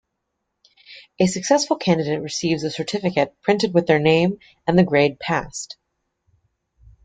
A successful candidate receives a certificate printed with their name and the grade passed.